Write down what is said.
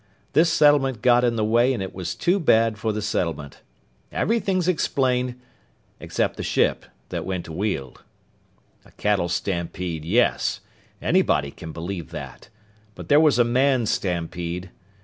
This settlement got in the way and it was too bad for the settlement! Everything's explained, except the ship that went to Weald. "A cattle stampede, yes. Anybody can believe that! But there was a man stampede.